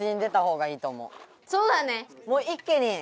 ・そうだね。